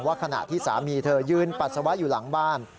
ขณะที่สามีเธอยืนปัสสาวะอยู่หลังบ้าน